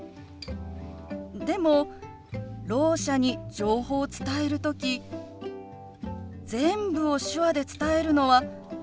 でもろう者に情報を伝える時全部を手話で伝えるのは難しいと思うの。